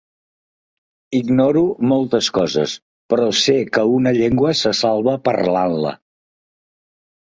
Ignoro moltes coses, però sé que una llengua se salva parlant-la.